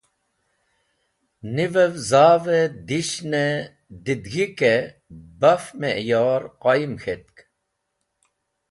Nivẽv zavẽ dishẽn didẽg̃hikẽ baf miyor qoyim k̃htk.